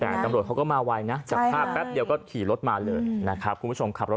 แต่ตำรวจเขาก็มาไวนะจับภาพแป๊บเดียวก็ขี่รถมาเลยนะครับคุณผู้ชมขับรถ